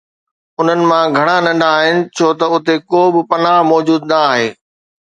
انھن مان گھڻا ننڍا آھن ڇو ته اتي ڪو به پناهه موجود نه آھي.